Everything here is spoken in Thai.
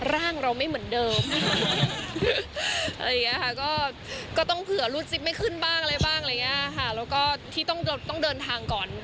เราต้องเดินทางก่อน